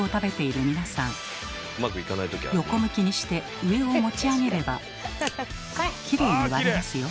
横向きにして上を持ち上げればきれいに割れますよ。